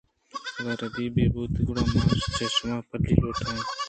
گاں رَدی یے بوتگ گُڑا من چہ شُما پھلی لوٹ آں